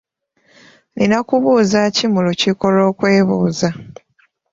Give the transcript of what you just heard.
Nina kubuuza ki mu lukiiko lw'okwebuuza?